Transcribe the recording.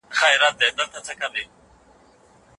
د کلمو استعمال په املا پوري تړلی دی.